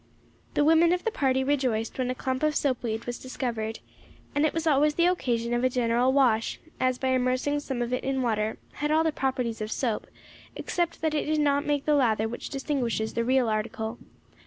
The women of the party rejoiced when a clump of soap weed was discovered, and it was always the occasion of a general wash, as by immersing some of it in water it had all the properties of soap, except that it did not make the lather which distinguishes the real article.